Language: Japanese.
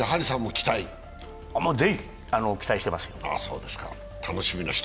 ぜひ期待してますよ。